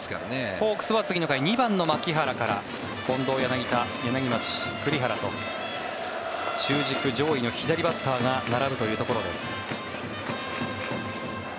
ホークスは次の回２番の牧原から近藤、柳田、柳町、栗原と中軸上位の左バッターが並ぶというところです。